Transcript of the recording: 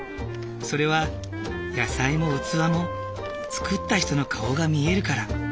それは野菜も器も作った人の顔が見えるから。